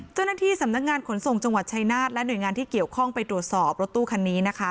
เจ้าหน้าที่สำนักงานขนส่งจังหวัดชายนาฏและหน่วยงานที่เกี่ยวข้องไปตรวจสอบรถตู้คันนี้นะคะ